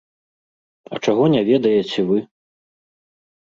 А чаго не ведаеце вы?